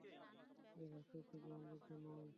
এ ভাষ্যটি গ্রহণযোগ্য নয়।